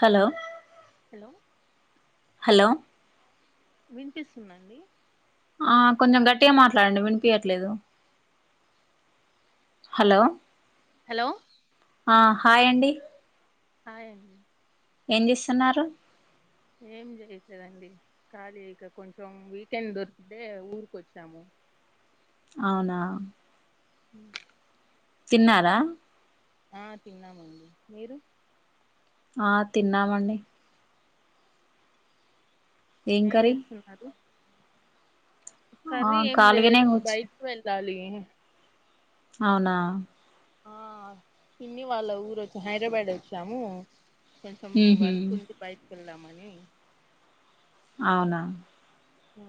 Hello hello hello వినిపిస్తుందండి ఆ కొంచం గట్టిగా మాట్లాడండి వినిపియట్లేదు హలో హలో ఆ హాయ్ అండి హాయండి ఏం చేస్తున్నారు ఏం చేయట్లే దండి ఖాళీ ఇక కొంచెం వీకెండ్ వత్తె ఊరికి వచ్చాము అవునా ఉ. తిన్నారా. ఆ తిన్నామండి మీరు. ఆ తిన్నామండి. ఏం చేస్తున్నారు. ఆ కర్రీ ఏం ఖాళీగానే లేదు కూర్చు బయటకి వెళ్ళాలి. అవునా. ఆ పిన్ని వాళ్ళ ఊరు వచ్చ హైదరాబాద్ వచ్చాము. కొంచెం ఉహు వర్క్ ఉంది బైట్ కెళ్ళాము. అవునా. హు.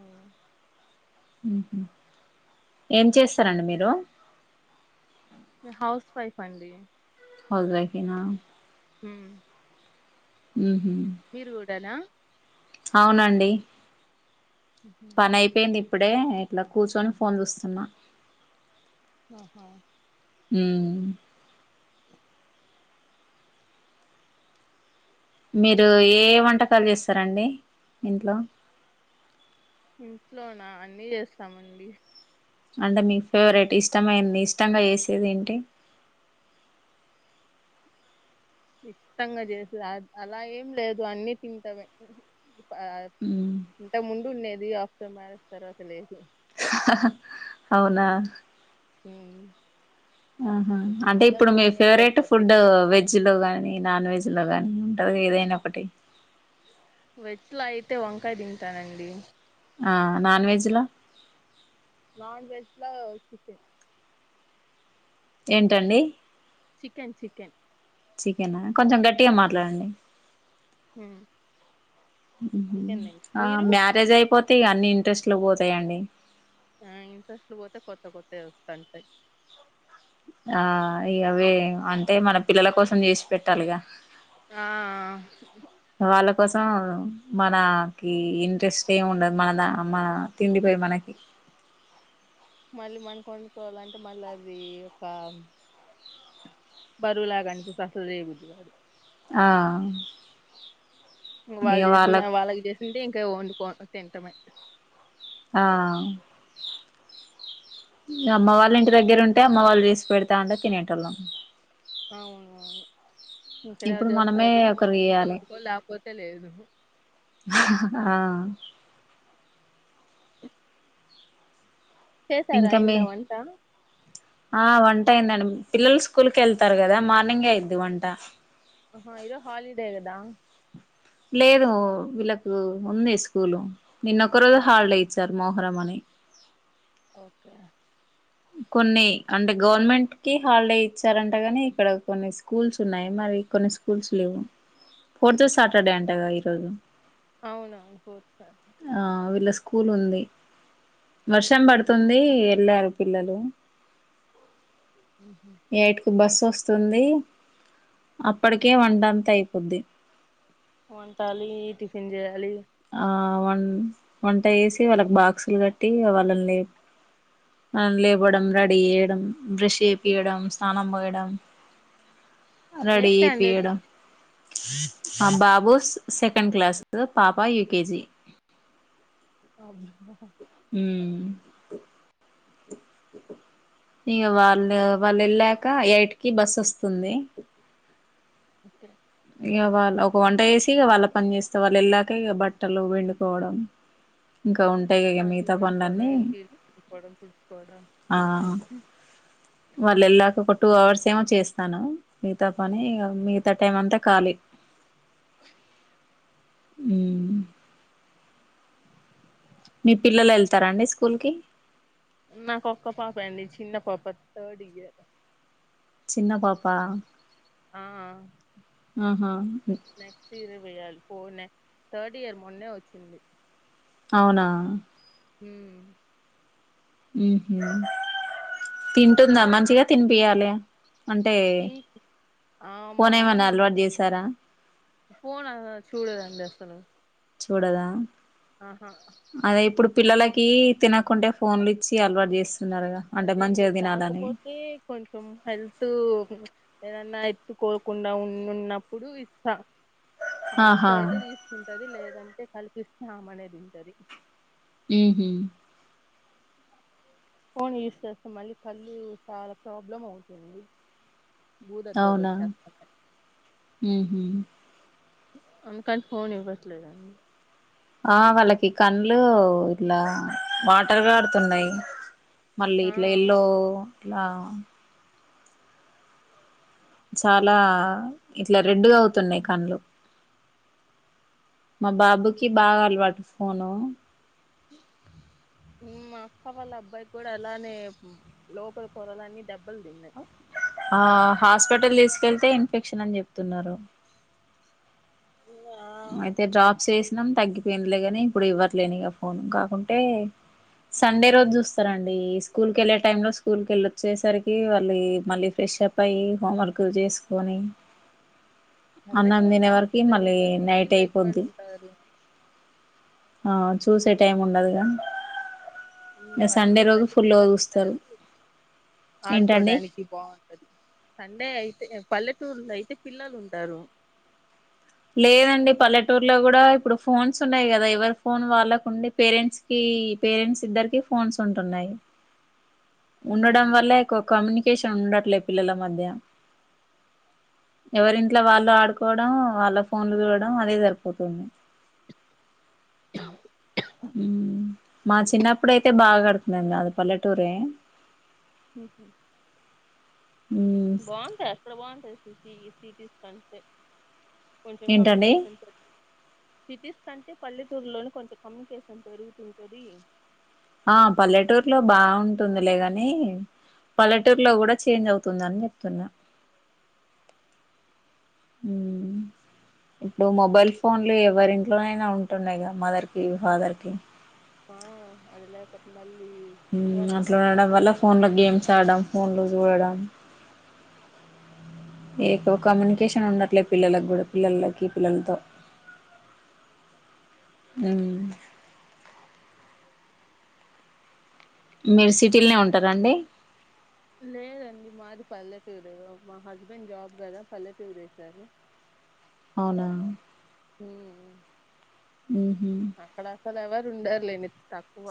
ఉహు ఏం చేస్తారండి మీరు. నీ హౌస్ వైఫ్ అండి. హౌస్ వైఫ్ ఏనా. ఉమ్. ఉహు. మీరు కూడా నా. అవునండి. ఉహు. అయిపేయింది ఇప్పుడే ఇట్లా కూర్చొని ఫోన్ చూస్తున్నా. ఆహా. మ్మ్. మీరు ఏ వంటకాలు చేస్తారండి ఇంట్లో. ఇంట్లోనా అన్నీ చేస్తామండి. అంటే మీ ఫేవరెట్ ఇష్టమైనంది ఇష్టంగా ఏసేది ఏంటి. ఇష్టంగా చేసేది అ అలా ఏం లేదు అన్నీ తింటమే. ఆ మ్మ్ ఇంతకు ముందు ఉండేది ఆఫ్టర్ మ్యారేజ్ తర్వాత లేదు. అవునా. ఉమ్. ఆహా అంటే ఇప్పుడు మీ పిల్లలతోనే ఫేవరెట్ సరిపోద్ది ఫుడ్ వె. జ్లో కానీ నాన్ వెజ్లో కానీ ఉంటుంది కదా ఏదైనా ఒకటి. వెజ్లా అయితే వంకాయ తింటానండి. ఆ నాన్వెజ్ లా. నాన్వెజ్ లో చికెన్. ఏంటండీ. Chicken chicken. చికెనా కొంచెం గట్టిగా మాట్లాడండి. ఉహు చికెన్ తింటా. మీరు మ్యారేజ్ అయిపోతే ఇగ అన్నీ ఇంట్రెస్ట్లు పోతాయండి. ఆ ఇంట్రెస్ట్లు పోతే కొత్త కొత్తవి వస్తంటాయి. ఆ ఇగ వే అంటే మన పిల్లల కోసం చేసి పెట్టాలిగా. ఆ. వాళ్ళ కోసం మనకి ఇంట్రెస్ట్ ఏమి ఉండ మనద అమ్మ. తిండిపై మనకి. మళ్ళీ మన కొ వండుకోవాలంటే మళ్ళీ అది ఒక. బరువులాగాఅనిపిసా అసల్ లేబుద్ధికాదు. ఆ ఇగ వాళ్ళు చేసిన వాళ్ళకు వాళ్ళకి చేసింటే ఇంక వండుకో తింటమే ఆ అమ్మ వాళ్ళ ఇంటి దగ్గర ఉంటే అమ్మ వాళ్ళు చేసి పెడత ఉంటే తినేటోలమ్ అవునువు ఇక్కడ ఇప్పుడు మనమే చేస్తారు ఒకరు వండుకుంటే చేయాలి వండుకో లేకపోతే లేదు ఆ చేసారా ఇంక అయిందా [unintelligible] వంట ఆ వంట అయిందండి పిల్లలు స్కూల్ కెళ్తారు కదా మార్నింగె అయిద్ది వంట హా ఇరో హాలిడే కదా లేదు వీళ్ళకు ఉంది స్కూల్ నిన్న ఒక ఓ రోజు హాలిడే ఇచ్చారు మోహరం అని ఒకే కొన్ని అంటే గవర్నమెంట్కి హాలిడే ఇచ్చారంట గాని ఇక్కడ కొన్ని స్కూల్స్ ఉన్నాయి మరి కొన్ని స్కూల్స్ లేవు ఫోర్త్ సాటర్డే అంటగ ఈరోజు అవున ఫో ఆ వీళ్ళ స్కూల్ ఉంది వర్షం పడుతుంది ఎళ్ళారు పిల్లలు ఉహు ఎట్కి బస్సు వస్తుంది అప్పటికే వంటంత అయిపోద్ది వంటాలి టిఫిన్ చేయాలి ఆ వన్ వంట వేసి వాళ్ళకి బాక్సులు కట్టి వాళ్ళని లే మన లేపోడం రెడీ చేయడం బ్రష్ చేపియడం స్నానం పోయడం ఏ రెడీ స్టాండ్ ఇది చెపియడం ఆ బాబు సెకండ్ క్లాస్ పాప యూకేజీ అ [unintelligible] ఉ ఇగ వాళ్ళు ఏళ్లక ఎయిట్కి బస్ వస్తుంది ఒకే ఇగ వాళ్ళ ఒక వంట వేసి వాళ్ళ పని చేేస్త వాళ్ళ ఏళ్ళక ఇగ బట్టలు పిండుకోవడం ఇంకా ఉం అంట్లు కడుకోవడం [unintelligible] తుడుచుకోవడం ఆ వాళ్ళు ఏళ్లక ఒక టూ అవర్స్ ఏమో చేస్తాను మిగతా పని ఇగ [unintelligible] టైం అంతా ఖాలీ ఉ మీ పిల్లలు ఎళ్తారండి స్కూల్కి నాకొక పాప ఎ అండి చిన్న పాప థర్డ్ ఇయర్ చిన్న పాపా ఆ ఆహా నెక్స్ట్ ఇయర్ వెయాలి పో నె థర్డ్ ఇయర్ మొన్నే వచ్చింది అవునా హు ఉహ తింటుంద మంచిగా తినిపియాలే అంటే టీ ఫోన్ ఆమా ఏమన్న అలవాటు చేసార ఫోన్ చూడదండి అసలు చూడదా ఆహా అదే ఇప్పుడు పిల్లలకి తినకుంటే ఫోన్లు ఇచ్చి అలవాటు చేస్ అదేంలేదు కాకపొతే కొంచెం హెల్త్ ఏదన్నా ఎత్తుకోకుండా ఉన్నన్నప్పుడు ఇస్తా ఆమె ఆహా ఇష్టం అయితే తీసుకుంటది లేదంటే కల్పిస్తే ఆమెనె తింటది ఉహు ఫోన్ యూస్ చేస్తే మళ్ళీ కళ్ళు చాలా ప్రాబ్లం అవుతుంది భూదద్దాలు అవునా వచ్చేస్తాయి ఉహు అందుకని ఫోన్ ఇవ్వట్లేదండి ఆ వాళ్ళకి కండ్లు ఇట్లా వాటర్ కారుతున్నాయి మళ్ళీ ఆ ఇట్లా ఎల్లో ఇలా చాలా ఇట్లా రెడ్గా అవుతున్నాయి కళ్లు మా బాబుకి బాగా అలవాటు ఫోను మా అక్క వాళ్ళ అబ్బాయి కూడా అలానే లోపల పొరలన్నీ దెబ్బలు తిన్నాయి ఆ హాస్పిటల్ తీసుకెళ్తే ఇన్ఫెక్షన్ అని చెప్తున్నారు. ఆ అయితే డ్రాప్స్ ఎసినాం తగ్గిపోయిందిలేగాని, ఇప్పుడు ఇవట్లేను ఇగ ఫోన్ కాకుంటే సండే రోజు చూస్తారండి. స్కూల్ కెళ్ళే టైమ్ లో స్కూల్కి వెళ్ళి వచ్చేసరికి వాళ్ళీ మళ్ళీ ఫ్రెష్ అప్ పై హోంవర్క్ చేసుకొని అన్నం తినే వరకి మళ్ళీ క్యూ నైట్ [unintelligible] అయిపోద్ది ఉంటాదీ. ఆది ఆ చూసే టైం ఉండదుగా ఇగ సండే రోజు పల్లెటూరులుంటే ఫుల్గా పిల్లలు చూస్తారు ఉంటారు ఏంటండి ఆడుకోవడానికి బాగుంటది సండే అయితే పల్లెటూరులో అయితే పిల్లలు ఉంటారు లేదండి పల్లెటూర్లో కూడా ఇప్పుడు ఫోన్స్ ఉన్నాయి కదా ఎవరి ఫోన్ వాళ్ళకు ఉండి పేరెంట్స్ పేరెంట్స్ ఇద్దరికి ఫోన్స్ ఉంటున్నాయి. ఉండడం ఉమ్. వల్ల ఓ కమ్యూనికేషన్ ఉండట్లేదు పిల్లల మధ్య ఎవరింట్లో వాళ్ళు ఆడుకోవడం వాళ్ళ ఫోన్లు చూడడం అదే సరిపోతుంది [inaudible] మా చిన్నప్పుడయితే బాగా ఆడుకునేది మాది పల్లెటూరే ఉహూ ఉ బాగుంటాయి అక్కడ బాగుంటయి సిటీ సిటీస్ కంటే కొంచెం ఏంటండి కమ్యూనికేషన్స్ పెా సిటీస్ కంటే పల్లెటూర్లోనే కొంచెం కమ్యూనికేషన్ పెరుగుతుంటుంది ఆ పల్లెటూరులో బాగుంటుందిలేగాని పల్లెటూరులో కూడా చేంజ్ అవుతుందని చెప్తున్నా ఉ ము ఇప్పుడు మొబైల్ ఫోన్లు ఎవరింట్లోనైనా ఉంటున్నాయి క మదర్ కి ఫాదర్ కి ఆ ఆది లేకపోతే మళ్ళీ వర్క్ అట్లా కష్టం ఉండడం వల్ల కదా ఫోన్ లో గేమ్స్ ఆడడం ఫోన్ లు చూడడం ఎకువ కమ్యూనికేషన్ ఉండట్లేదు పిల్లలకి కూడా పిల్లలకి పిల్లలతో ఉమ్ మీరు సిటీలనే ఉంటారంండి లేదండి మాది పల్లెటూరు మా హస్బెండ్ జాబ్ కదా పల్లెటురేశారు అవునా హ హ అక్కడసలు ఎవరు ఉండర్లేని తక్కువ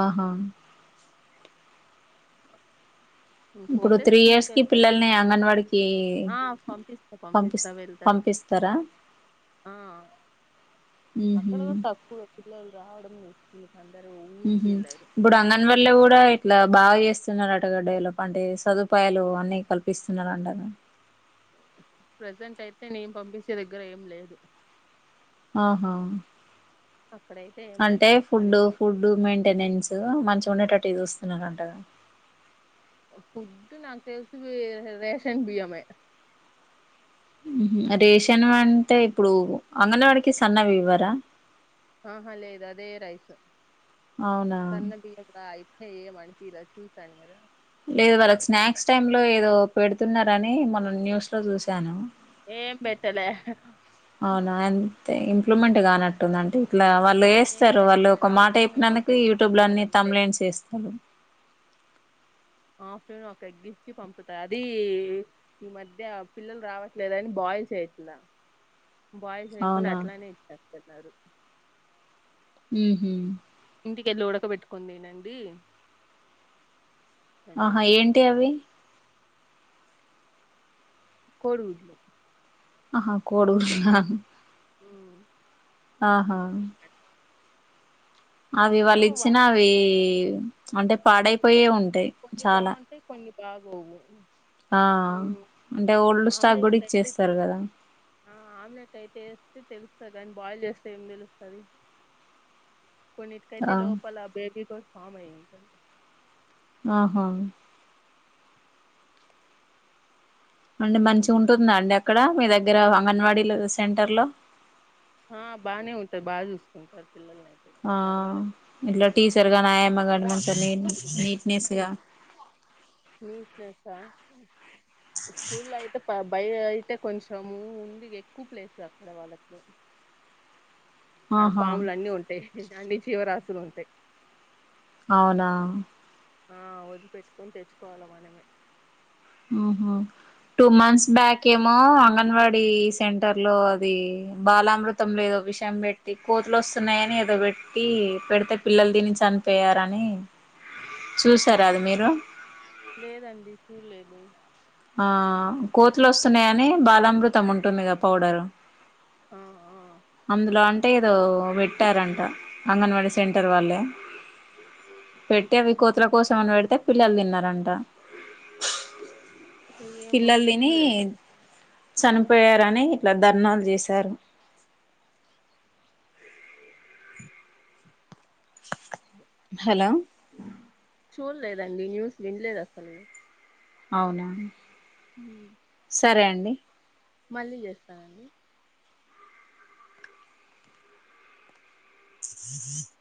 ఆహా స ఇప్పుడు త్రీ ఇయర్స్ కి పిల్లల్ని అంగన్వాడికి ఆ పంపిస్తా పంపి పంపిస్తా వెళ్తది పంపిస్త తర ఆ అక్కడ ఉహు కూడా తక్కువే పిల్లలు రావడం వస్తు అందరూ ఇప్పుడు అంగన్వా వల్లే కూడా ఇట్లా బాగా చేస్తున్నారు అంట డెవలప్ అంటే ట సదుపాయాలు అన్నీ కల్పిస్తున్నారంట ప్రజెంట్ అయితే నేను పంపించే దగ్గర ఏం లేదు ఆహ అక్కడైతే ఏం లేదు అంటే ఫుడ్ ప్రస్తుతానికి ఫుడ్ రూమ్ మెయింటెనెన్స్ మంచిగా ఉండేటట్టు చూస్తున్నారంటగా ఫుడ్ నాకు తెలిసి రేషన్ బియ్యమే రేషన్ అంటే ఇప్పుడు అంగనవాడికి సన్నవి ఇవ్వరా ఆహ లేేదు అదే రైస్ అవునా సన్న బియ్యము ఆయి ఏమనిపియ్యలే చూసానుగాద లేదు వాళ్ళ స్నాక్స్ టైమ్లో ఏదో పెడుతున్నారని మొన్న న్యూస్లో చూశాను ఏం పేట్టలే అవునా అంతే ఇంప్లుమెంట్ కానట్టుంది అంటే ఇట్లా వా వాళ్ళు ఏం వేస్తారు వాళ్ళు పెట్టలేదు ఒకమాట ఆఫ్టర్నూన్ ఒక చెప్పినందుకు ఎగ్ యూట్యూబ్లో ఇస్తారు అన్ని అంతే థమ్నెయిల్స్ వేస్తారు ఆఫ్టర్నూన్ ఒక ఎగ్ ఇచ్చి పంపుతా అది ఈ మధ్య పిల్లలు రావట్లేదు అని బాయిల్ చేయట్లే బాయిల్ చేయకుండా అవునా అట్లానే ఇచ్చేస్తున్నారు ఉహు ఇంటికెళ్ళి ఉడకబెట్టుకొని తినండి అని ఆహా చెప్పేసి ఏంటి అవి కోడిగుడ్లు ఆహా కోడీగుడ్ల ఆహా అవి వాళ్ళు ఇచ్చినా అవి అంటే పాడైపోయే ఉంటా కొన్ని బాగుంటాయ్ కొన్ని బాగోవు ఆ అంటే ఓల్డ్ స్టాక్ కూడా ఇచ్చేస్తారు కదా ఆ ఆమ్లెట్ అయితే ఏస్తే తెలుస్తది కాని బాయిల్ చేస్తే ఏమి తెలుస్తుంది కొన్నిటికైతే ఆ లోపల ఆ బేబీ కూడా ఫామ్ అయి ఉంటుంది ఆహా అంటే మంచిగా ఉంటుందా అండి అక్కడ మీ దగ్గర అంగన్వాడీ సెంటర్లో ఆ బాగానే ఉంటది బానే చూసుకుంటారు పిల్లలని ఆ ఇట్లా టీచర్ గానీ ఆయామ్మ కాని నీట్నెస్ గా నీట్నేసా స్కూల్లో అయితే ప బయటయితే కొంచెం ముందు ఎక్కువ ప్లేసు అక్కడ వాళ్ళకి ఆడ ఆహా పాములు అన్నీ ఉంటాయి అన్ని జీవరాశులు ఉంటాయి అవునా ఆ వదిలిపెట్టుకొని తెచ్చుకోవాలి మనమే ఉహ టూ మంత్స్ బ్యాక్ ఏమో అంగన్వాడీ సెంటర్లో అవి బాలామృతంలో ఏదో విషం పెట్టి కోతులు వస్తున్నాయని ఏదో పెట్టి పెడితే పిల్లలు తిని చనిపోయారని ఆహా చూసారా అది మీరు లేదండి చూడలేదు ఆ కోతులు వస్తున్నాయ అని బాలామృతం ఉంటుంది కదా పౌడరు ఆ ఆ అందులో అంటే ఏదో పెట్టారంట అంగన్వడి సెంటర్ వాళ్ళే పెట్టి అవి కోతుల కోసమని పెడితే పిల్లలు తిన్నారంట ఏమో పిల్లలు తిని చూడలేదు చనిపోయారని ఇట్లా దర్నాలు చేశారు హలో చూడలేదండి న్యూస్ వినలేదు అసలు అవునా ఉ సరే అండి మళ్ళీ చేస్తానండి హ